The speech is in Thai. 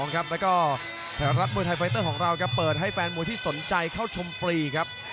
แล้วก็ไทยรัฐมวยไทยไฟเตอร์ของเราเปิดให้แฟนมวยที่สนใจเข้าชมฟรีครับ